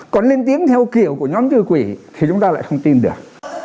còn lên tiếng theo kiểu của nhóm thư quỷ thì chúng ta lại không tin được